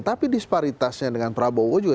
tapi disparitasnya dengan prabowo juga